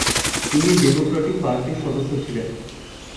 তিনি ডেমোক্রেটিক পার্টির সদস্য ছিলেন।